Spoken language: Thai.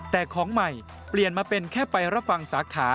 แต่ของใหม่เปลี่ยนมาเป็นแค่ไปรับฟังสาขา